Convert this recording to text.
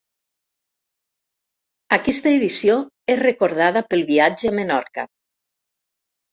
Aquesta edició és recordada pel viatge a Menorca.